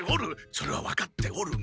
それは分かっておるが。